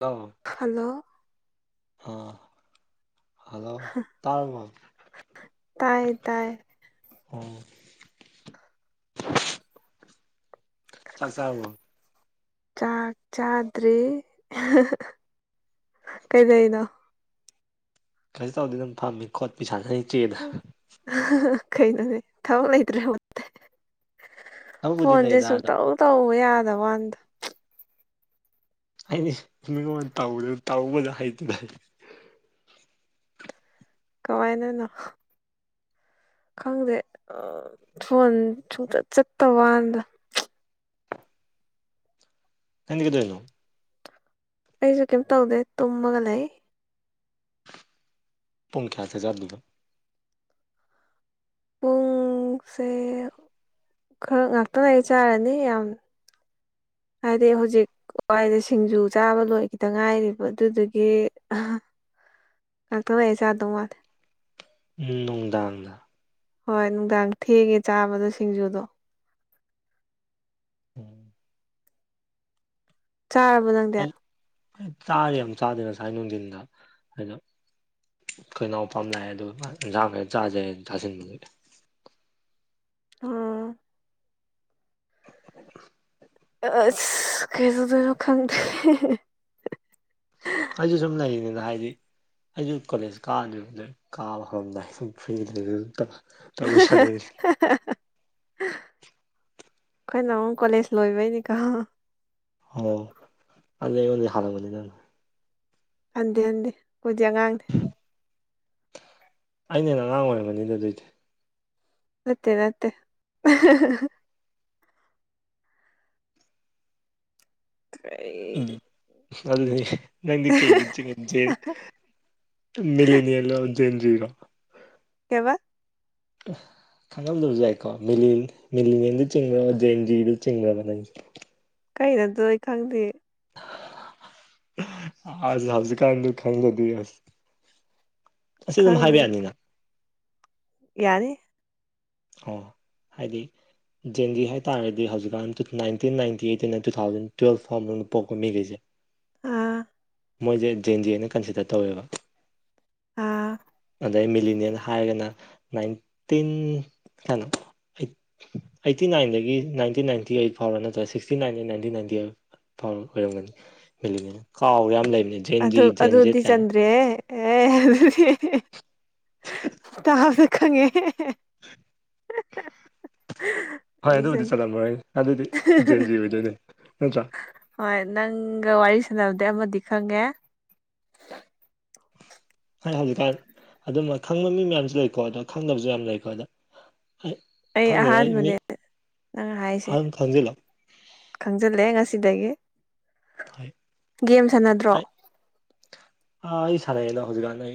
ꯑꯥ hello ꯑꯥ hello ꯇꯥꯔꯕꯣ ꯇꯥꯏ ꯇꯥꯏ ꯑꯣ ꯆꯥꯛ ꯆꯥꯔꯕꯣ ꯆꯥꯛ ꯆꯥꯗ꯭ꯔꯤ ꯀꯩꯗꯩꯩꯅꯣ ꯀꯩꯁꯨ ꯇꯧꯗꯦꯗ ꯑꯗꯨꯝ ꯐꯝꯃꯤ ꯈꯣꯠꯄꯤ ꯁꯥꯅꯔꯤ ꯆꯦꯗ ꯀꯩꯅꯣꯅꯦ ꯊꯕꯛ ꯂꯩꯇ꯭ꯔꯥ ꯍꯣꯠꯇꯦ [unintelligible] ꯊꯕꯛꯄꯨꯗꯤ ꯐꯣꯟꯁꯦ ꯂꯩꯗ ꯑꯗꯣ ꯁꯨꯡꯇꯧ ꯇꯧ ꯌꯥꯗꯕ ꯋꯥꯅꯤꯗ ꯍꯥꯏꯗꯤ [unintelligible] ꯃꯤꯉꯣꯟꯗ ꯇꯧꯕꯗꯨ ꯇꯧꯕꯗꯨ ꯍꯩꯇꯅ ꯍꯥꯏꯗꯤ [unintelligible] ꯀꯃꯥꯏꯅꯅꯣ ꯈꯪꯗꯦ ꯐꯣꯟ ꯁꯨꯡ ꯆꯠ ꯆꯠꯇ ꯋꯥꯅꯤꯗ ꯍꯦꯟꯗꯤ [unintelligible] ꯀꯀꯗꯅꯣ [unintelligible] ꯑꯩꯖꯨ ꯀꯩꯝ ꯇꯧꯗꯦ ꯇꯨꯝꯃꯒ ꯂꯩ ꯄꯨꯡ ꯀ꯭ꯌꯥꯗ ꯆꯠꯂꯤꯕ ꯄꯨꯡ ꯁꯦ ꯈꯔ ꯉꯥꯛꯇꯡ ꯂꯩꯔ ꯆꯠꯂꯅꯤ ꯌꯥꯝ ꯍꯥꯏꯗꯤ ꯍꯧꯖꯤꯛ ꯋꯥꯏꯗ ꯁꯤꯡꯖꯨ ꯆꯥꯕ ꯂꯣꯏꯈꯤꯗ ꯉꯥꯏꯔꯤꯕ ꯑꯗꯨꯗꯨꯒꯤ ꯑꯍ ꯉꯥꯛꯇꯡ ꯂꯩꯔ ꯆꯥꯗꯧ ꯃꯥꯂꯦ ꯅꯨꯡꯗꯥꯡꯗ ꯍꯣꯏ ꯅꯨꯡꯗꯥꯡ ꯊꯦꯡꯉꯦ ꯆꯥꯕꯗꯣ ꯁꯤꯡꯖꯨꯗꯣ ꯎꯝ ꯆꯥꯔꯕꯣ ꯅꯪꯗꯤ ꯑꯩ ꯆꯥꯔꯦ ꯌꯥꯝ ꯆꯥꯗꯦ ꯉꯁꯥꯏ ꯅꯨꯡꯗꯤꯟꯗ ꯑꯩꯗꯣ ꯈꯣꯏ ꯏꯅꯥꯎꯄꯥ ꯑꯃꯥ ꯂꯥꯛꯑꯦ ꯑꯗꯨꯒꯥ ꯃꯥꯟ ꯏꯟꯓꯥꯡ ꯂꯩꯔ ꯆꯥꯖꯩ ꯍꯥꯏ ꯆꯥꯖꯟꯒꯤꯕꯅꯦ ꯎꯝ [inaudible] ꯑꯑꯁ ꯀꯩꯗꯧꯗꯣꯏꯅꯣ ꯈꯪꯗꯦ ꯑꯩꯁꯨ ꯁꯨꯝ ꯂꯩꯔꯤꯅꯤꯗ ꯍꯥꯏꯗꯤ ꯑꯩꯁꯨ ꯀꯣꯂꯦꯖ ꯀꯥꯗ꯭ꯤꯕ ꯀꯥꯕ ꯍꯧꯔꯝꯗꯥꯏ ꯁꯨꯝ ꯐ꯭ꯔꯤꯗ [unintelligible] [unintelligible] ꯑꯩꯈꯣꯏꯅ ꯑꯃꯨꯛ ꯀꯣꯂꯦꯖ ꯂꯣꯏꯕꯩꯅꯤꯀꯣ ꯑꯣ ꯑꯗꯨꯗꯤ ꯑꯩꯉꯣꯟꯗꯒꯤ ꯍꯥꯂꯝꯒꯅꯤ ꯅꯪꯅ ꯍꯟꯗꯦ ꯍꯟꯗꯦ ꯈꯣꯏꯗꯤ ꯑꯉꯥꯡꯅꯦ ꯑꯩꯅ ꯍꯦꯟꯅ ꯑꯉꯥꯡ ꯑꯣꯏꯔꯝꯒꯅꯤꯗ ꯑꯗꯣꯏꯗꯤ ꯃꯠꯇꯦ ꯃꯠꯇꯦ ꯎꯝ ꯀꯩ ꯑꯗꯨꯗꯤ ꯅꯪꯗꯤ ꯀꯩꯗ ꯆꯤꯡꯍꯟꯖꯤꯒꯦ ꯃꯤꯂꯦꯅꯤꯌꯦꯜ ꯂꯣ ꯖꯦꯟꯦ-ꯖ ꯔꯣ ꯀꯩꯕ ꯑꯣ ꯈꯪꯉꯝꯗꯕꯁꯨ ꯌꯥꯏꯀꯣ ꯃꯤꯂꯦ ꯃꯤꯂꯤꯅꯤꯌꯦꯜꯗ ꯆꯤꯡ꯭ꯕꯣ ꯖꯦꯟꯖꯤꯗꯥ ꯆꯤꯡꯈ꯭ꯕ ꯅꯪꯖꯦ ꯀꯩꯅꯣ ꯑꯗꯣ ꯑꯩ ꯈꯪꯗꯦ ꯍꯧꯖꯤꯀꯥꯟ ꯑꯗꯨ ꯈꯪꯗ꯭ꯔꯗꯤ ꯑꯁꯤ ꯑꯗꯨꯝ ꯍꯥꯏꯕ ꯈꯪꯗꯦ ꯌꯥꯅꯤꯅ ꯌꯥꯅꯤ ꯑꯣ ꯍꯥꯏꯗꯤ ꯖꯦꯟꯖꯤ ꯍꯥꯏꯇꯥꯔꯗꯤ ꯍꯧꯖꯤꯛꯀꯥꯟ ꯅꯥꯏꯟꯇꯤꯟ ꯅꯥꯏꯟꯇꯤꯗꯩꯅ ꯇꯨ ꯊꯥꯎꯖꯟ ꯇꯨꯌꯦꯜꯐ ꯐꯥꯎꯕ ꯃꯅꯨꯡꯗ ꯄꯣꯛꯄ ꯃꯤꯒꯩꯁꯦ ꯑꯥ ꯃꯣꯏꯖꯦ ꯖꯦꯟ ꯖꯤ ꯑꯅ ꯀꯟꯁꯤꯗꯔ ꯇꯧꯋꯦꯕ ꯑꯥ ꯑꯗꯩ ꯃꯤꯂꯤꯅꯤꯌꯦꯜ ꯍꯥꯏꯔꯒꯅ ꯅꯥꯏꯇꯤꯟ ꯀ꯭ꯌꯥꯅꯣ ꯑꯩꯇꯤ ꯅꯥꯏꯟꯗꯒꯤ ꯅꯥꯏꯟꯇꯤꯟ ꯅꯥꯏꯟꯇꯤ ꯑꯩꯠ ꯐꯥꯎꯔꯥ ꯅꯠꯇ꯭ꯔ ꯁꯤꯛꯇꯤ ꯅꯥꯏꯟꯗꯒꯤ ꯅꯥꯏꯟꯇꯤꯟ ꯅꯥꯏꯟꯇꯤ ꯑꯩꯠ ꯥꯑꯥꯎ ꯑꯣꯏꯔꯝꯒꯅꯤ ꯃꯤꯂꯦꯅꯤꯌꯦꯜ ꯀꯥꯎꯔꯦ ꯌꯥꯝ ꯂꯩꯕꯅꯦ ꯖꯦꯟꯖꯤ ꯑꯗꯨ ꯖꯦꯟꯖꯦꯠ ꯑꯗꯨꯗꯤ ꯀꯥꯏꯅ ꯆꯟꯗ꯭ꯔꯦꯍꯦ ꯑꯦ ꯇꯥꯕꯗꯥ ꯈꯪꯉꯦ ꯍꯣꯏ ꯑꯗꯨꯕꯨꯗꯤ ꯆꯜꯂꯝꯃꯣꯏ ꯑꯗꯨꯗꯤ ꯖꯦꯟꯖꯤ ꯑꯣꯏꯗꯣꯏꯅꯦ ꯅꯠꯇ꯭ꯔꯥ ꯍꯣꯏ ꯅꯪꯒ ꯋꯥꯔꯤ ꯁ꯭ꯅꯕꯗꯩ ꯑꯃꯗꯤ ꯈꯪꯉꯦ ꯍꯣꯏ ꯍꯧꯖꯤꯛꯀꯥꯟ ꯑꯗꯨꯝꯕ ꯈꯪꯕ ꯃꯤ ꯃꯌꯥꯝꯁꯨ ꯂꯩꯀꯣ ꯑꯗꯣ ꯈꯪꯗꯕꯁꯨ ꯌꯥꯝ ꯂꯩꯀꯣ ꯑꯗ ꯑꯩ ꯈꯪꯗꯦꯗ ꯃꯤ ꯑꯍꯥꯟꯕꯅꯦ ꯅꯪ ꯍꯥꯏꯁꯦ ꯑꯗꯨꯝ ꯈꯪꯖꯤꯜꯂꯣ ꯈꯪꯖꯤꯜꯂꯦ ꯉꯁꯤꯗꯒꯤ ꯒꯦꯝ ꯁꯥꯟꯅꯗ꯭ꯔꯣ ꯑ ꯑꯩ ꯁꯥꯟꯅꯩꯌꯦ ꯍꯧꯖꯤꯛꯀꯥꯟꯗꯤ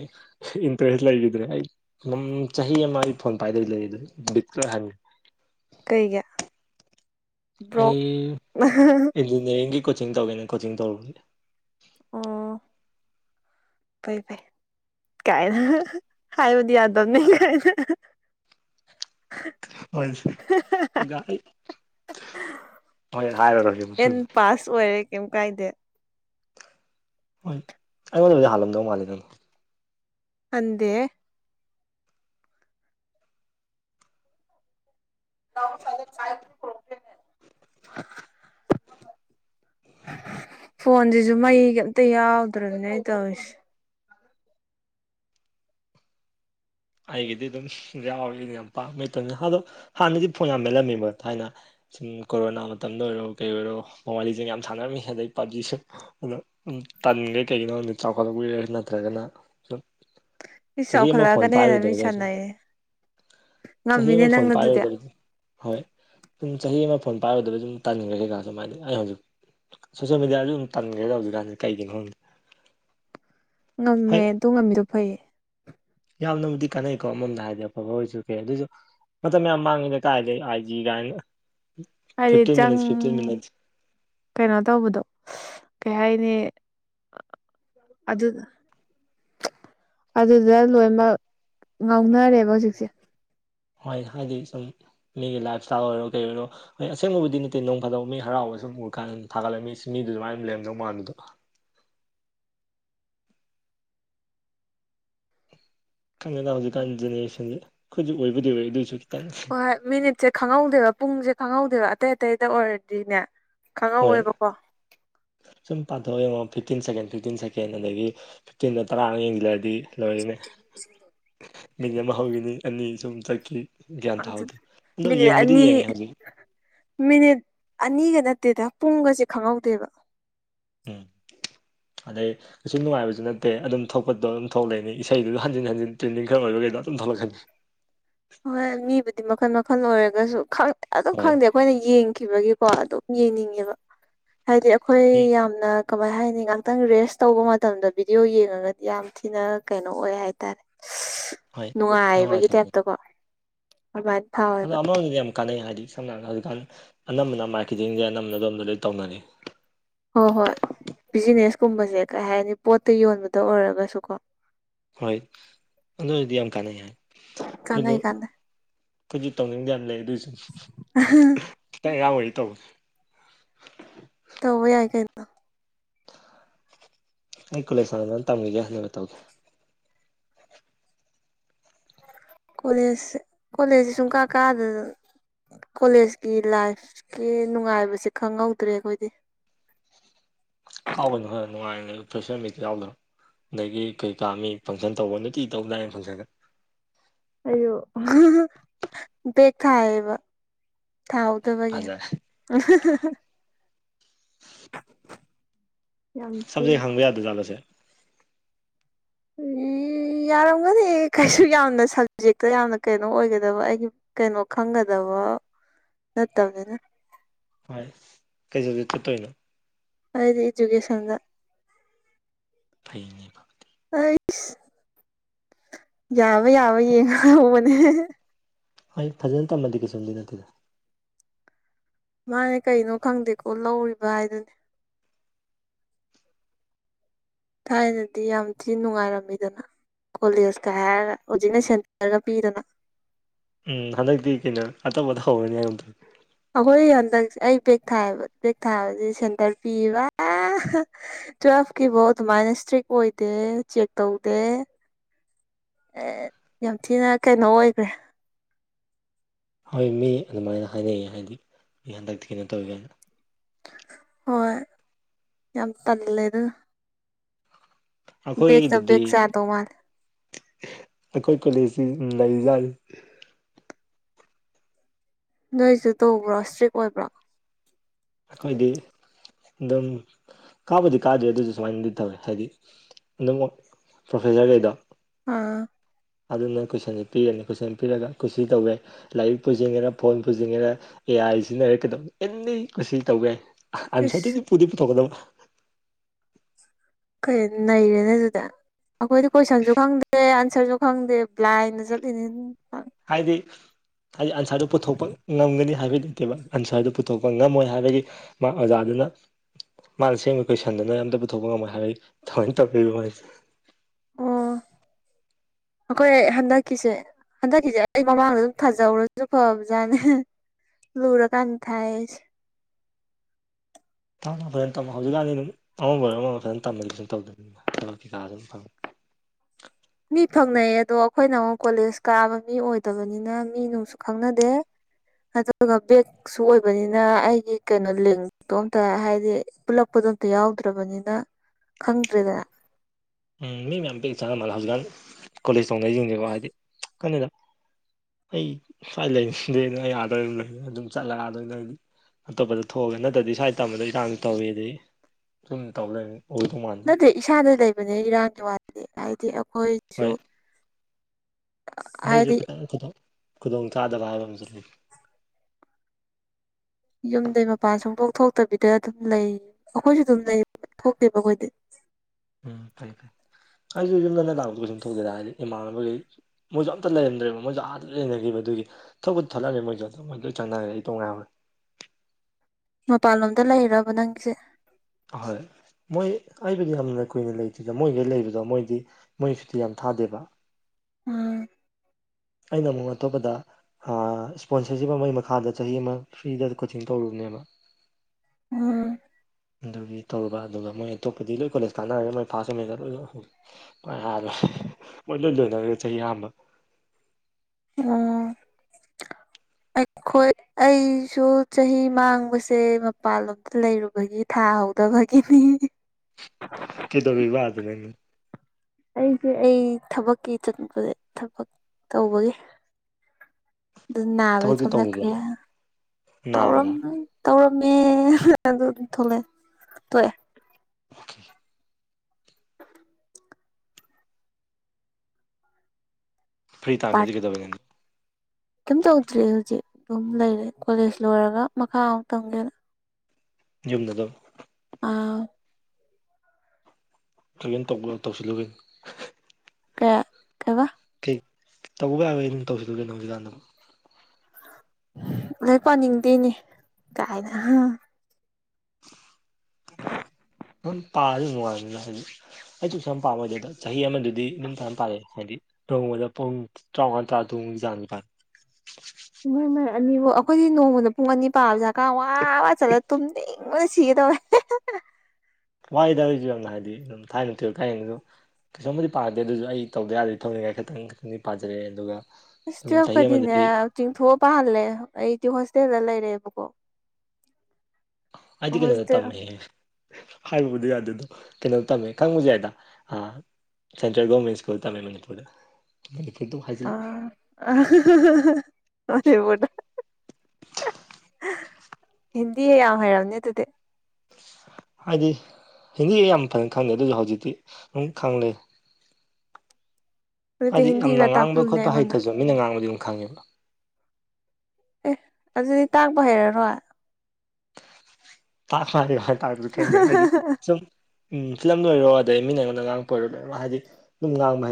ꯏꯟꯇꯔꯦꯁ ꯂꯩꯈꯤꯗ꯭ꯔꯦ ꯑꯩ ꯆꯍꯤ ꯑꯃ ꯑꯩ ꯐꯣꯟ ꯄꯥꯏꯗꯕꯤ ꯂꯩꯔꯨꯔꯦ ꯕꯤꯠ ꯂꯣꯢ ꯍꯟꯒ꯭ꯔꯦ ꯀꯩꯒꯤ ꯕ꯭ꯔꯣ ꯑꯩ ꯑꯣ ꯏꯟꯖꯤꯅꯤꯌꯥꯔꯤꯡꯒꯤ ꯀꯣꯆꯤꯡ ꯇꯧꯒꯦꯅ ꯀꯣꯆꯤꯡ ꯇꯧꯔꯨꯕꯅꯦ ꯑꯣ ꯐꯩ ꯐꯩ ꯀꯥꯏꯅ ꯍꯥꯏꯕꯗꯤ ꯌꯥꯗꯕꯅꯤ ꯀꯥꯏꯅ [inaudible] ꯍꯣꯏ ꯒꯥꯔꯤ ꯍꯣꯏ ꯍꯥꯏꯔꯔꯒꯦ ꯑꯦꯟ ꯃꯇꯨꯡ ꯄꯥꯁ ꯑꯣꯏꯔꯦ ꯀꯩꯝ ꯀꯥꯏꯗꯦ ꯍꯣꯏ ꯑꯩꯉꯣꯟꯗꯕꯨꯗꯤ ꯌꯥꯍꯜꯂꯝꯗꯧ ꯃꯥꯜꯂꯦ ꯅꯪ ꯍꯟꯗꯦꯌꯦ ꯣ [unintelligible] ꯐꯣꯟꯁꯤꯁꯨ ꯃꯩꯒ ꯑꯝꯇ ꯌꯥꯎꯗ꯭ꯔꯕꯅꯤ ꯑꯩ ꯇꯧꯔꯤꯁꯦ ꯑꯩꯒꯤꯗꯤ ꯑꯗꯨꯝ ꯌꯥꯎꯋꯦ [unintelligible] [unintelligible] ꯌꯥꯝ ꯑꯗꯣ ꯍꯥꯟꯅꯗꯤ ꯐꯣꯟ ꯌꯥꯝ ꯃꯦꯠꯂꯝꯃꯦꯕ ꯊꯥꯏꯅ ꯁꯨꯝ ꯀꯣꯔꯣꯅꯥ ꯃꯇꯝꯗ ꯑꯣꯏꯔꯣ ꯀꯩ ꯑꯣꯏꯔꯣ ꯃꯣꯕꯥꯂꯤꯁꯤꯡ ꯌꯥꯝ ꯁꯥꯟꯅꯔꯝꯃꯤ ꯑꯗꯩ ꯄꯥꯞꯖꯤꯁꯨ ꯑꯗꯣ ꯁꯨꯝ ꯇꯟꯒ꯭ꯔꯦ ꯀꯩꯒꯤꯅꯣ ꯈꯪꯗꯦ ꯆꯥꯎꯈꯠꯂꯛꯄꯥꯒꯤꯔ ꯅꯠꯇ꯭ꯔꯒꯅ ꯁꯨꯝ ꯏꯁ ꯆꯍꯤ ꯑꯃ ꯐꯣꯟ ꯆꯥꯎꯈꯠꯂꯛꯑꯒꯅ ꯍꯦꯟꯅ ꯃꯤ ꯄꯥꯏꯔꯨꯗꯕꯁꯦ ꯁꯨꯝ ꯁꯥꯟꯅꯩꯌꯦ ꯆꯍꯤ ꯉꯝꯃꯤꯅꯦ ꯑꯃ ꯐꯣꯟ ꯅꯪ ꯑꯗꯨꯗꯤ ꯄꯥꯏꯔꯨꯗꯕꯗꯤ ꯍꯣꯏ ꯁꯨꯝ ꯆꯍꯤ ꯑꯃ ꯐꯣꯟ ꯄꯥꯏꯔꯨꯗꯕꯩ ꯑꯗꯨꯨꯝ ꯇꯟꯈ꯭ꯔꯦ ꯒꯩꯒꯗꯨ ꯁꯨꯃꯥꯢ ꯑꯩ ꯍꯧꯖꯤꯛ ꯁꯣꯁꯦꯜ ꯃꯦꯗꯤꯌꯥꯁꯨ ꯑꯗꯨꯝ ꯇꯟꯒ꯭ꯔꯦꯗꯥ ꯍꯧꯖꯤꯛ ꯀꯥꯟꯖꯤ ꯀꯩꯒꯤꯅꯣ ꯈꯪꯗꯦ ꯉꯝꯃꯦ ꯍꯣꯏ ꯑꯗꯨ ꯉꯝꯃꯤꯗꯣ ꯐꯩꯌꯦ ꯌꯥꯝꯅꯕꯨꯗꯤ ꯀꯥꯟꯅꯩꯀꯣ ꯑꯃꯔꯣꯝꯗ ꯍꯥꯏꯔꯗꯤ ꯑꯐꯕ ꯑꯣꯏꯁꯨ ꯀꯩ ꯑꯗꯣꯢꯁꯨ ꯃꯇꯝ ꯌꯥꯝ ꯃꯥꯡꯉꯤꯗꯅ ꯀꯥꯏꯗꯩ ꯑꯥꯏꯖꯤ ꯀꯥꯏꯅ ꯍꯥꯏꯗꯤ ꯐꯤꯞꯇꯤꯟ ꯆꯪ ꯃꯤꯅꯠꯁ ꯐꯤꯞꯇꯤꯟ ꯃꯤꯅꯠꯁ ꯀꯩꯅꯣ ꯇꯧꯕꯗꯣ ꯀꯩ ꯍꯥꯏꯅꯤ ꯑꯗꯨ ꯑꯗꯨꯗ ꯂꯣꯏꯃꯛ ꯉꯥꯎꯅꯔꯦꯕ ꯍꯧꯖꯤꯛꯁꯦ ꯍꯣꯏ ꯍꯥꯏꯗꯤ ꯁꯨꯝ ꯃꯤꯒꯤ ꯂꯥꯏꯐꯁꯇꯥꯏꯜ ꯑꯣꯏꯔꯣ ꯀꯩ ꯑꯣꯏꯔꯣ ꯑꯩ ꯑꯁꯦꯡꯕꯕꯨꯗꯤ ꯅꯠꯇꯦ ꯅꯣꯡ ꯐꯥꯗꯣꯛ ꯃꯤ ꯍꯔꯥꯎꯕ ꯁꯨꯝ ꯎꯔ ꯀꯥꯟꯗ ꯑꯗꯨꯝ ꯊꯥꯒꯠꯂꯛꯑꯦ ꯃꯤꯁꯨ ꯃꯤꯗꯨ ꯑꯗꯨꯃꯥꯏꯅ ꯂꯩꯔꯝꯗꯧ ꯃꯥꯟꯕꯗꯨ ꯈꯪꯗꯦꯗꯥ ꯍꯧꯖꯤꯛꯀꯥꯟ ꯖꯦꯅꯦꯔꯦꯁꯟꯁꯦ ꯈꯣꯏꯗꯤ ꯑꯣꯏꯕꯨꯗꯤ ꯑꯣꯏ ꯑꯗꯨꯏꯁꯨ ꯈꯤꯇꯪ ꯍꯣꯏ ꯃꯤꯅꯤꯠꯁꯦ ꯈꯪꯍꯧꯗꯦꯕ ꯄꯨꯡꯁꯦ ꯈꯪꯍꯧꯗꯦꯕ ꯑꯇꯩ ꯑꯇꯩꯗ ꯑꯣꯏꯔꯗꯤꯅꯦ ꯍꯣꯏ ꯈꯪꯍꯧꯋꯦꯕꯀꯣ ꯁꯨꯝ ꯄꯥꯊꯣꯛꯑ ꯌꯦꯡꯉꯣ ꯐꯤꯞꯇꯤꯟ ꯁꯦꯀꯦꯟ ꯐꯤꯞꯇꯤꯟ ꯁꯦꯀꯦꯟ ꯑꯗꯒꯤ ꯐꯤꯞꯇꯤꯟꯗ ꯇꯔꯥꯔꯛ ꯌꯦꯡꯁꯤꯜꯂꯛꯑꯗꯤ ꯂꯣꯏꯔꯦꯅꯦ ꯃꯤꯅꯤꯠ ꯑꯃ ꯍꯧꯒꯤꯅꯤ ꯑꯅꯤ ꯁꯨꯝ ꯆꯠꯈꯤ ꯒ꯭ꯌꯥꯟ ꯑꯗꯨ ꯇꯥꯍꯧꯗꯦ ꯑꯗꯣ ꯃꯤꯅꯤꯠ ꯌꯦꯡꯕꯨꯗꯤ ꯌꯦꯡꯉꯦ ꯑꯅꯤ ꯍꯧꯖꯤꯛ ꯃꯤꯅꯤꯠ ꯑꯅꯤꯒ ꯅꯠꯇꯦꯗ ꯄꯨꯡꯒꯁꯦ ꯈꯪꯍꯧꯗꯦꯕ ꯎꯝ [inaudible] ꯑꯗꯩ ꯀꯩꯁꯨ ꯅꯨꯡꯉꯥꯏꯕꯁꯨ ꯅꯠꯇꯦ ꯑꯗꯨꯝ ꯊꯣꯛꯄꯗꯣ ꯑꯗꯨꯝ ꯊꯣꯛꯂꯩꯔꯅꯤ ꯏꯁꯩꯗꯨ ꯍꯟꯖꯤꯟ ꯍꯟꯖꯤꯟ ꯇ꯭ꯔꯦꯟꯗꯤꯡ ꯈꯔ ꯑꯣꯏꯕꯉꯩꯗꯣ ꯑꯗꯨꯝ ꯊꯣꯛꯂꯛꯀꯅꯤ ꯍꯣꯏ ꯃꯤꯕꯨꯗꯤ ꯃꯈꯜ ꯃꯈꯜ ꯑꯣꯏꯔꯒꯁꯨ ꯈꯪꯗꯦ ꯑꯗꯨꯝ ꯍꯣꯏ ꯈꯪꯗꯦ ꯑꯩꯈꯣꯏꯅ ꯌꯦꯡꯈꯤꯕꯒꯤꯀꯣ ꯑꯗꯨꯝ ꯌꯦꯡꯅꯤꯡꯉꯦꯕ ꯍꯥꯏꯗꯤ ꯑꯈꯣꯏ ꯃꯤ ꯌꯥꯝꯅ ꯀꯃꯥꯏ ꯍꯥꯏꯅꯤ ꯉꯍꯥꯛꯇꯪ ꯔꯦꯁ ꯇꯧꯕ ꯃꯇꯝꯗ ꯚꯤꯗꯤꯑꯣ ꯌꯦꯡꯉꯒꯗꯤ ꯌꯥꯝ ꯊꯤꯅ ꯀꯩꯅꯣ ꯑꯣꯏ ꯍꯥꯏꯇꯥꯔꯦ ꯍꯣꯏ ꯅꯨꯡꯉꯥꯏꯕꯒꯤ ꯅꯨꯡꯉꯥꯏꯊꯣꯛꯄ ꯇꯥꯏꯞꯇꯀꯣ [unintelligible] ꯑꯗꯣ ꯑꯃꯔꯣꯝꯗꯗꯤ ꯌꯥꯝ ꯀꯥꯟꯅꯩ ꯍꯥꯏꯗꯤ ꯁꯝꯅ ꯍꯧꯖꯤꯛꯀꯥꯟ ꯑꯅꯝꯕꯅ ꯃꯥꯔꯀꯦꯇꯤꯡꯁꯦ ꯑꯅꯝꯕꯅ ꯑꯗꯣꯝꯗ ꯂꯣꯏ ꯇꯧꯅꯔꯦ ꯍꯣꯏ ꯍꯣꯏ ꯕꯤꯖꯤꯅꯦꯁꯀꯨꯝꯕꯁꯦ ꯀꯩ ꯍꯥꯏꯅꯤ ꯄꯣꯠꯇ ꯌꯣꯟꯕꯗ ꯑꯣꯏꯔꯒꯁꯨ ꯀꯣ ꯍꯣꯏ ꯑꯗꯨ ꯑꯣꯏꯔꯗꯤ ꯌꯥꯝ ꯀꯥꯟꯅꯩ ꯍꯥꯏ ꯑꯗꯨꯕꯨ ꯀꯥꯟꯅꯩ ꯀꯥꯟꯅꯩ ꯈꯣꯏꯗꯤ ꯇꯧꯅꯤꯡꯕ ꯌꯥꯝ ꯂꯩꯔꯦ ꯑꯗꯨꯏꯁꯨ ꯈꯤꯇꯪ ꯑꯉꯥꯡ ꯑꯣꯢꯔꯤ ꯇꯧꯕꯅꯦ ꯇꯧꯕ ꯌꯥꯏ ꯀꯩꯅꯣ ꯑꯩ ꯀꯨꯂꯦꯖ ꯐꯖꯅ ꯇꯝꯒꯤꯒꯦ ꯑꯗꯨ ꯂꯣꯢꯔꯒ ꯇꯧꯒꯦ ꯀꯣꯂꯦꯖꯁꯦ ꯀꯣꯂꯦꯖꯁꯦ ꯁꯨꯡ ꯀꯥ ꯀꯥꯗꯗꯅ ꯀꯣꯂꯦꯖꯀꯤ ꯂꯥꯏꯐꯀꯤ ꯅꯨꯡꯉꯥꯏꯕꯁꯦ ꯈꯪꯍꯧꯗ꯭ꯔꯦ ꯑꯩꯈꯣꯏꯗꯤ ꯀꯥꯎ ꯀꯩꯅꯣ ꯅꯨꯡꯉꯥꯏꯕꯅꯦ ꯐꯦꯁꯔꯃꯤꯠꯀ ꯌꯥꯎꯗ꯭ꯔꯣ ꯑꯗꯒꯤ ꯀꯩ [unintelligible] ꯐꯪꯁꯟ ꯇꯧꯕ ꯅꯨꯡꯇꯤ ꯇꯧꯗꯥꯏꯅꯦ ꯐꯪꯁꯟꯗꯤ ꯑꯩꯗꯣ ꯕꯦꯛ ꯊꯥꯏꯌꯦꯕꯥ ꯊꯥꯍꯧꯗꯕꯒꯤ ꯐꯖꯔꯦ [unintelligible] ꯁꯞꯖꯦꯛ ꯊꯤꯅ ꯍꯪꯕ ꯌꯥꯗ ꯖꯥꯠꯂꯣ ꯁꯤ ꯑꯝ ꯌꯥꯔꯝꯒꯅꯤ ꯀꯩꯁꯨ ꯌꯥꯝꯅ ꯁꯞꯖꯦꯛꯇ ꯌꯥꯝꯅ ꯀꯩꯅꯣ ꯑꯣꯏꯒꯗꯕ ꯑꯩꯒꯤ ꯀꯩꯅꯣ ꯈꯪꯒꯗꯕ ꯅꯠꯇꯝꯅꯤꯅ ꯍꯣꯏ ꯀꯩ ꯁꯞꯖꯦꯛꯇꯥ ꯇꯧꯔꯤꯅꯣ ꯑꯩꯗꯤ ꯏꯖꯨꯀꯦꯁꯟꯗ ꯐꯩꯅꯦ ꯑꯩꯁ ꯌꯥꯕ ꯌꯥꯕ ꯌꯦꯡꯍꯧꯕꯅꯦ ꯑꯩ ꯐꯖꯅ ꯇꯝꯃꯗꯤ ꯀꯩꯁꯨꯝꯗꯤ ꯅꯠꯇꯦꯗ ꯃꯥꯅꯦ ꯀꯩꯅꯣ ꯈꯪꯗꯦꯀꯣ ꯂꯧꯔꯤꯕ ꯍꯥꯏꯗꯨꯅꯤ ꯊꯥꯏꯅꯗꯤ ꯌꯥꯝ ꯊꯤꯅ ꯅꯨꯡꯉꯥꯏꯔꯝꯃꯤꯗ ꯀꯣꯂꯦꯖꯀ ꯍꯥꯏꯔꯒ ꯍꯧꯖꯤꯛꯅ ꯁꯦꯟꯊꯔꯒ ꯄꯤꯗꯅ ꯎꯝ ꯍꯟꯗꯛꯇꯤ ꯀꯩꯅꯣ ꯑꯇꯣꯞꯄꯗ ꯇꯧꯔꯅꯤ ꯑꯩꯈꯣꯏ ꯍꯟꯗꯛꯁꯦ ꯑꯩ ꯕꯦꯛ ꯊꯥꯏꯑꯦꯕ ꯕꯦꯛ ꯊꯥꯕꯁꯤ ꯁꯦꯟꯇꯔ ꯄꯤꯕ ꯇꯨꯋꯦꯜꯐꯒꯤꯕꯧ ꯑꯗꯨꯃꯥꯏꯅ ꯏꯁꯇ꯭ꯔꯤꯛ ꯑꯣꯏꯗꯦ ꯆꯦꯛ ꯇꯧꯗꯦ ꯑꯦ ꯌꯥꯝ ꯊꯤꯅ ꯀꯩꯅꯣ ꯑꯣꯏꯈ꯭ꯔꯦ ꯍꯣꯏ ꯃꯤ ꯑꯗꯨꯃꯥꯏꯅ ꯍꯥꯏꯅꯩꯌꯦ ꯍꯥꯏꯗꯤ ꯃꯤ ꯍꯟꯗꯛꯇꯤ ꯀꯩꯅꯣ ꯇꯧꯋꯦꯒꯥꯢꯅ ꯍꯣꯏ ꯌꯥꯝ ꯇꯥꯜꯂꯦ ꯑꯗꯨꯅ ꯕꯦꯛꯇ ꯑꯩꯈꯣꯏꯒꯤꯗꯨꯗꯤ ꯕꯦꯛ ꯆꯥꯗꯧ ꯃꯥꯜꯂꯦ ꯑꯩꯈꯣꯏ ꯀꯣꯂꯦꯖꯁꯤ ꯅꯩ ꯖꯠꯅꯤ ꯅꯣꯏꯁꯨ ꯇꯧꯕ꯭ꯔꯣ ꯏꯁꯇ꯭ꯔꯤꯛ ꯑꯣꯏꯕ꯭ꯔꯣ ꯑꯩꯈꯣꯏꯗꯤ ꯑꯗꯨꯝ ꯀꯥꯕꯨꯗꯤ ꯀꯥꯗ꯭ꯔꯦ ꯑꯗꯨꯁꯨ ꯁꯨꯃꯥꯏꯅꯗꯤ ꯇꯧꯋꯦ ꯍꯥꯏꯗꯤ ꯑꯗꯨꯝ ꯃꯣꯢ ꯄ꯭ꯔꯣꯐꯦꯁꯔꯈꯩꯗꯣ ꯑꯥ ꯑꯗꯨꯅ ꯀꯣꯏꯁꯟꯁꯦ ꯄꯤꯔꯅꯤ ꯀꯣꯏꯁꯟ ꯄꯤꯔꯒ ꯀꯨꯁꯤ ꯇꯧꯕ ꯌꯥꯢ ꯂꯥꯏꯔꯤꯛ ꯄꯨꯁꯤꯒꯦꯔꯥ ꯐꯣꯟ ꯄꯨꯁꯤꯟꯒꯦꯔ ꯑꯦ ꯑꯥꯏ ꯁꯤꯖꯤꯟꯅꯒꯦꯔꯥ ꯑꯦꯅꯤ ꯀꯨꯁꯤ ꯇꯧꯕ ꯌꯥꯏ ꯏꯁ ꯑꯟꯁꯥꯔꯗꯤ ꯄꯨꯗꯤ ꯄꯨꯊꯣꯛꯀꯗꯕ ꯀꯩ ꯅꯩꯔꯦꯅꯦ ꯑꯗꯨꯗꯤ ꯑꯩꯈꯣꯏꯗꯤ ꯀꯣꯏꯁꯟꯁꯨ ꯈꯪꯗꯦ ꯑꯟꯁꯔꯁꯨ ꯈꯪꯗꯦ ꯕ꯭ꯂꯥꯏꯟꯗ ꯆꯠꯂꯤꯅꯤ ꯍꯥꯏꯗꯤ ꯍꯥꯏꯗꯤ ꯑꯟꯁꯥꯗꯨ ꯄꯨꯊꯣꯛꯄ ꯉꯝꯒꯅꯤ ꯍꯥꯏꯕꯒꯤ ꯅꯠꯇꯦꯕ ꯑꯟꯁꯥꯔꯗꯨ ꯄꯨꯊꯣꯛꯄ ꯉꯝꯃꯣꯏ ꯍꯥꯏꯕꯒꯤ ꯃꯥ ꯑꯣꯖꯥꯗꯨꯅ ꯃꯥꯅ ꯁꯦꯝꯕ ꯀꯣꯏꯁꯟꯗꯨꯅ ꯑꯝꯇ ꯄꯨꯊꯣꯛꯄ ꯉꯝꯃꯣꯏ ꯍꯥꯏꯔꯛꯏ [unintelligible] ꯊꯋꯣꯏꯅ [unintelligible] ꯇꯧꯗꯣꯢꯕ ꯃꯣꯏꯁꯦ [unintelligible] ꯑꯣ ꯑꯩꯈꯣꯏ ꯍꯟꯗꯛꯀꯤꯁꯦ ꯍꯟꯗꯛꯀꯤꯁꯦ ꯑꯩ ꯃꯃꯥꯡꯗ ꯑꯗꯨꯝ ꯊꯖꯔꯨꯔꯁꯨ ꯐꯕ ꯖꯥꯠꯅꯦ ꯂꯨꯔ ꯀꯥꯟꯗ ꯊꯥꯏ ꯑꯩꯁꯦ ꯇꯣ [unintelligible] ꯐꯖꯅ [unintelligible] ꯇꯝꯃꯣ ꯍꯧꯖꯤꯛꯀꯥꯟꯗꯤ ꯑꯗꯨꯝ ꯑꯃꯕꯨ ꯑꯣꯏꯔꯣ ꯑꯃꯕꯨ ꯑꯣꯏꯔꯣ ꯐꯖꯅ ꯇꯝꯃꯗꯤ ꯇꯧꯗꯅꯤ [unintelligible] ꯊꯕꯛ ꯀꯩꯀꯥ ꯑꯗꯨꯝ ꯐꯪ ꯐꯪꯉꯤ ꯃꯤ ꯐꯪꯅꯩ ꯑꯗꯣ ꯑꯩꯈꯣꯏꯅ ꯑꯃꯨꯛ ꯀꯣꯂꯦꯖ ꯀꯥꯕ ꯃꯤ ꯑꯣꯏꯗꯕꯅꯤꯅ ꯃꯤ ꯅꯨꯡꯁꯨ ꯈꯪꯅꯗꯦ ꯑꯗꯨꯒ ꯕꯦꯛ ꯁꯨ ꯑꯣꯏꯕꯅꯤꯅ ꯑꯩꯒꯤ ꯀꯩꯅꯣ ꯂꯤꯡꯇꯣ ꯑꯝꯇ ꯍꯥꯏꯗꯤ ꯄꯨꯜꯂꯛꯄꯗꯣ ꯑꯝꯇ ꯌꯥꯎꯗ꯭ꯔꯕꯅꯤꯅ ꯈꯪꯗ꯭ꯔꯦꯗꯅ ꯎꯝ ꯃꯤ ꯃꯌꯥꯝ ꯕꯦꯛ ꯆꯥꯟꯅ ꯃꯥꯜꯂꯦ ꯍꯧꯖꯤꯛꯀꯥꯟ ꯀꯣꯂꯦꯖ ꯇꯧꯅꯔꯤꯁꯤꯡꯁꯦꯀꯣ ꯍꯥꯏꯗꯤ ꯈꯪꯗꯦꯗ ꯑꯩ ꯁ꯭ꯋꯥꯏ ꯂꯩꯅꯤꯡꯗꯦꯅ ꯌꯥꯗꯣꯏꯣꯏ [unintelligible] ꯑꯗꯨꯝ ꯆꯠꯂ ꯌꯥꯗꯣꯏ [unintelligible] ꯅꯗꯤ [unintelligible] ꯑꯇꯣꯞꯄꯗ ꯊꯣꯛꯑꯒꯦ ꯅꯠꯇ꯭ꯔꯗꯤ ꯁ꯭ꯋꯥꯏ ꯇꯝꯕꯗꯣ ꯏꯔꯥꯡꯁꯨ ꯇꯧꯋꯤ ꯑꯗꯩ ꯁꯨꯝ ꯇꯧ ꯂꯩꯅꯤ ꯑꯣꯢꯗꯣꯢ ꯃꯟꯗꯦ ꯅꯠꯇꯦ ꯏꯁꯥꯗ ꯂꯩꯕꯅꯦ ꯏꯔꯥꯡꯒꯤ ꯋꯥꯗꯤ ꯍꯥꯏꯗꯤ ꯑꯩꯈꯣꯏꯁꯨ ꯑꯗꯨꯑꯣꯏꯁꯨ ꯍꯥꯏꯗꯤ [unintelligible] ꯈꯤꯇꯪ ꯈꯨꯗꯣꯡ ꯈꯨꯗꯣꯡ ꯆꯥꯗꯕ ꯍꯥꯏꯕ ꯑꯃꯁꯨ ꯂꯩ ꯌꯨꯝꯗꯩ ꯃꯄꯥꯟ ꯁꯨꯡꯗꯣꯛ ꯊꯣꯛꯇꯕꯤꯗ ꯑꯗꯨꯝ ꯂꯩ ꯑꯩꯈꯣꯏꯁꯨ ꯑꯗꯨꯝ ꯂꯩ ꯊꯣꯛꯇꯦꯕ ꯑꯩꯈꯣꯏꯗꯤ ꯎꯝ ꯐꯩ ꯐꯩ ꯑꯩꯁꯨ ꯌꯨꯝ ꯅꯪꯅ [unintelligible] ꯂꯥꯛꯗ [unintelligible] ꯀꯩ [unintelligible] ꯁꯨꯝꯊꯣꯛꯗꯦꯗ [unintelligible] ꯍꯥꯏꯗꯤ [unintelligible] ꯏꯃꯥꯟꯅꯕꯒꯩ ꯃꯣꯏꯖꯨ ꯑꯝꯇ ꯂꯩꯔꯝꯗ꯭ꯔꯦꯕ ꯃꯣꯏꯖꯨ ꯑꯥꯗ ꯂꯩꯅꯒꯤꯕ ꯑꯗꯨꯒꯤ ꯊꯣꯛꯄꯨꯗꯤ ꯊꯣꯛꯂꯛꯑꯅꯤ ꯃꯣꯏꯁꯨ ꯑꯗꯨ ꯃꯣꯏꯁꯨ ꯆꯪꯅꯒ꯭ꯔꯦ ꯑꯩ ꯢꯇꯣꯝ ꯉꯥꯏꯍꯧꯔꯦ ꯃꯄꯥꯟꯂꯣꯝꯗ ꯂꯩꯔꯕ ꯅꯪꯒꯤꯁꯦ ꯑꯍꯣꯏ ꯃꯣꯏ ꯑꯩꯕꯨꯗꯤ ꯌꯥꯝꯅ ꯀꯨꯏꯅ ꯂꯩꯇ꯭ꯔꯤꯗ ꯃꯣꯏꯒꯩ ꯂꯩꯕꯗꯣ ꯃꯣꯏꯗꯤ ꯃꯣꯏ ꯁꯨꯇꯤ ꯌꯥꯝ ꯊꯥꯗꯦꯕ ꯑꯥ ꯑꯩꯅ ꯑꯃꯨꯛ ꯑꯇꯣꯞꯄꯗ ꯏ꯭ꯁꯄꯣꯟꯁ꯭ꯔꯁꯤꯞ ꯑꯃꯒꯤ ꯃꯈꯥꯗ ꯆꯍꯤ ꯑꯃ ꯐ꯭ꯔꯤꯗ ꯀꯣꯆꯤꯡ ꯇꯧꯔꯨꯕꯅꯦꯕ ꯎꯝ [unintelligible] ꯑꯗꯨꯒꯤ ꯇꯧꯔꯨꯕ ꯑꯗꯨꯒ ꯃꯣꯏ ꯑꯇꯣꯞꯄꯗꯤ ꯂꯣꯏ ꯀꯣꯂꯦꯖ ꯀꯥꯟꯅꯔꯦ ꯃꯣꯏ ꯐꯥꯁ ꯁꯦꯃꯤꯁꯇꯔ ꯂꯣꯏ [unintelligible] [inaudible] ꯃꯣꯏ ꯂꯣꯢꯅꯒꯔꯦ ꯆꯍꯤ ꯑꯌꯥꯝꯕ ꯑꯣ ꯍꯣꯏ [unintelligible] ꯑꯩꯁꯨ ꯆꯍꯤ ꯃꯥꯡꯕꯁꯦ ꯃꯄꯥꯟꯂꯣꯝꯗ ꯂꯩꯔꯨꯕꯒꯤ ꯊꯥꯍꯧꯗꯕꯒꯤꯅꯤ ꯀꯩꯗꯧꯔꯤꯕ ꯑꯥꯗ ꯅꯪꯅ ꯑꯩꯁꯦ ꯑꯩ ꯊꯕꯛꯀꯤ ꯆꯠꯄꯅꯦ ꯊꯕꯛ ꯇꯧꯕꯒꯤ ꯑꯗꯨ ꯅꯥꯕꯒꯤ ꯊꯕꯛꯇꯤ ꯊꯣꯛꯂꯛꯈ꯭ꯔꯦ ꯇꯧꯔꯤꯕ꯭ꯔꯣ ꯀꯔꯤꯌꯥ [unintelligible] ꯇꯧꯔꯝ ꯅꯥꯕꯗ [unintelligible] ꯇꯧꯔꯝꯃꯦ ꯑꯗꯨꯝ ꯊꯣꯛꯣꯂꯛꯑꯦ ꯇꯣꯛꯑꯦ ꯐ꯭ꯔꯤ ꯄꯥꯔꯠ ꯇꯥꯏꯝꯗꯗꯤ ꯀꯗꯋꯤ ꯅꯪꯗꯤ ꯀꯩꯝ ꯇꯧꯗ꯭ꯔꯤ ꯍꯧꯖꯤꯛ ꯑꯗꯨꯝ ꯂꯩꯔꯦ ꯀꯣꯂꯦꯖ ꯂꯣꯏꯔꯒ ꯃꯈꯥ ꯑꯃꯨꯛ ꯇꯝꯒꯦꯅ ꯌꯨꯝꯗꯗꯨꯝ ꯑꯥ ꯀꯔꯤꯃꯦꯟ [unintelligible] ꯇꯧꯁꯤꯜꯂꯨꯒꯅꯤ [unintelligible] ꯀ ꯀꯩꯕꯥ ꯀꯩ ꯇꯧꯕ ꯌꯥꯕꯒꯩ ꯑꯗꯨꯝ ꯇꯧꯁꯤꯜꯂꯨ ꯀꯦꯅꯣ ꯍꯧꯖꯤꯛꯀꯥꯟꯗꯨꯝ ꯂꯥꯏꯔꯤꯛ ꯄꯥꯅꯤꯡꯗꯦꯅꯦ ꯀꯥꯏꯅ ꯌꯥꯝ [unintelligible] ꯄꯥ [unintelligible] ꯑꯗꯨꯝ ꯅꯨꯡꯉꯥꯏꯕꯅꯤꯗ ꯍꯥꯏꯗꯤ ꯑꯩꯁꯨ ꯀꯩꯁꯨꯌꯥꯝ ꯄꯥꯕ ꯑꯣꯏꯗꯦꯗ ꯆꯍꯤ ꯑꯃꯗꯨꯗꯤ ꯑꯗꯨꯝ ꯐꯖꯅ ꯄꯥꯔꯛ ꯑꯦ ꯍꯥꯏꯗꯤ ꯅꯣꯡ ꯃꯗ ꯄꯨꯡ ꯇ꯭ꯔꯥꯉꯥ ꯇ꯭ꯔꯥꯇꯨꯛ ꯃꯨꯛ ꯆꯥꯡ ꯌꯥꯕꯥꯟ [unintelligible] ꯏꯃꯩ ꯃꯩ ꯑꯅꯤꯕꯨ ꯑꯩꯈꯣꯏꯗꯤ ꯅꯣꯡꯃꯗ ꯄꯨꯡꯅꯤ ꯄꯥꯕꯖꯦ ꯀꯋꯥ ꯋꯥ ꯆꯠꯂ ꯇꯨꯝꯅꯤꯡꯕꯅ ꯁꯤꯒꯦ ꯇꯧꯋꯦ ꯋꯥꯏꯗ ꯑꯩꯁꯨ ꯌꯥꯝꯅ ꯍꯥꯏꯗꯤ ꯑꯗꯨꯝ ꯊꯥꯏꯅ ꯇꯨꯌꯦꯞ ꯀꯥꯔꯤꯉꯩ ꯑꯗꯨꯝ ꯀꯩꯁꯨꯝꯕꯨꯗꯤ ꯄꯥꯗꯦ ꯑꯗꯨꯁꯨ ꯑꯩ ꯇꯧꯗ ꯌꯥꯗꯦ ꯊꯧꯅꯤꯡꯉꯥꯏ ꯈꯤꯇꯪ ꯈꯪꯗꯤ ꯄꯥꯖꯔꯛꯑꯦ ꯑꯗꯨꯒ ꯀ꯭ꯂꯥꯁ ꯑꯗꯨꯝ ꯆꯍꯤ ꯇꯨꯌꯦꯞꯀꯗꯤꯅꯦ ꯑꯃꯗꯗꯤ ꯆꯤꯡꯊꯣꯛꯑ ꯄꯥꯍꯜꯂꯦ ꯑꯩꯗꯤ ꯍꯣꯁꯇꯦꯜꯗ ꯂꯩꯔꯦꯕꯀꯣ ꯑꯩꯗꯤ ꯀꯩꯅꯣꯗ ꯍꯣꯁꯇꯦꯜ ꯇꯝꯃꯛꯑꯦ ꯍꯥꯏꯕꯕꯨꯗꯤ ꯌꯥꯗꯦꯗꯣ ꯀꯩꯅꯣꯗ ꯇꯝꯃꯛꯑꯦ ꯈꯪꯕꯁꯨ ꯌꯥꯏꯗ ꯑ ꯁꯦꯟꯇ꯭ꯔꯦꯜꯒꯃꯦꯟ ꯒꯣꯕꯔꯃꯦꯟ ꯁꯀꯨꯜ ꯇꯝꯃꯛꯑꯦ ꯃꯅꯤꯄꯨꯔꯗ ꯃꯗꯣ ꯍꯜ [unintelligible] ꯑꯕ [unintelligible] [unintelligible] ꯍꯤꯟꯗꯤꯒ ꯌꯥꯝ ꯍꯩꯔꯝꯅꯤ ꯑꯗꯨꯗꯤ ꯍꯥꯏꯗꯤ ꯍꯤꯟꯗꯤꯒ ꯌꯥꯝ ꯐꯖꯅ ꯈꯪꯗꯦ ꯑꯗꯨꯁꯨ ꯍꯧꯖꯤꯛꯇꯤ ꯑꯗꯨꯝ ꯈꯪꯉꯦ ꯑꯗꯨꯗꯤ ꯍꯥꯏꯗꯤ ꯍꯤꯟꯗꯤ ꯌꯥꯝꯅ ꯈꯔ ꯉꯥꯡꯕ ꯇꯥꯛꯄꯤꯌꯨꯅꯦ ꯈꯣꯠꯄ ꯑꯩꯉꯣꯟꯗ ꯍꯩꯇ꯭ꯔꯁꯨ ꯃꯤꯅ ꯉꯥꯡꯕꯗꯤ ꯑꯗꯨꯝ ꯈꯪꯉꯦꯕ ꯑꯦ ꯑꯗꯨꯗꯤ ꯇꯥꯛꯄ ꯍꯩꯔꯔꯣꯢ ꯇꯥꯛꯄ ꯍꯥꯢꯗꯤ ꯀꯃꯥꯢ ꯇꯥꯛꯇꯨꯢꯅꯣ ꯈꯪꯗ꯭ꯔꯦ ꯑꯩꯗꯤ ꯁꯨꯝ ꯎꯝ ꯐꯤꯂꯝ ꯂꯣꯏꯔꯣ ꯑꯗꯩ ꯃꯤꯅ ꯑꯩꯉꯣꯟꯗ ꯉꯥꯡꯉꯥꯛꯄ ꯑꯣꯏꯔꯣ ꯀꯩꯒꯨꯝꯕ ꯍꯥꯏꯗꯤ ꯑꯗꯨꯝ ꯉꯥꯡꯕ ꯍꯩ